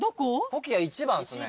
コキア１番ですね。